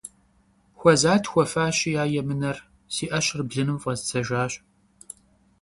Хуэзат хуэфащи а емынэр, си Ӏэщэр блыным фӀэздзэжащ.